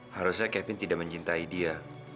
harusnya kevin tidak mencintai dia